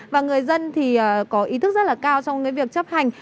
và người dân thì có ý thức rất là cao trong cái việc chấp hành